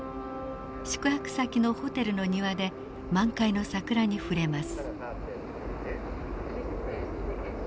宿泊先のホテルの庭で満開の桜に触れます。